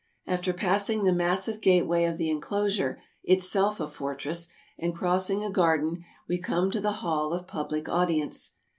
After passing the massive gate way of the inclosure, itself a fortress, and crossing a garden, we come to the Hall of Public Audience.